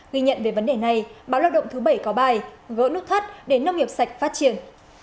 ghi nhận về vấn đề này báo lao động thứ bảy có bài gỡ nút thắt để nông nghiệp sạch phát triển